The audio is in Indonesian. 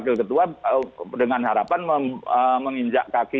tidak mengulangi lagi